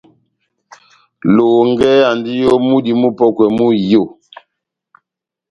Lohongɛ andi ó múdi mupɔ́kwɛ mú iyó.